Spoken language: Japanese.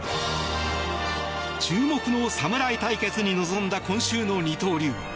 注目の侍対決に臨んだ今週の二刀流。